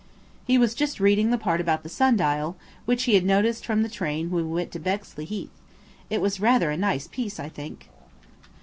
He was just reading the part about the sundial, which he had noticed from the train when we went to Bexley Heath It was rather a nice piece, I think.